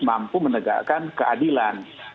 mampu menegakan keadilan